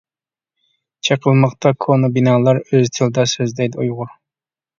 چېقىلماقتا كونا بىنالار ئۆز تىلىدا سۆزلەيدۇ ئۇيغۇر.